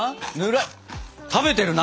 食べてるな！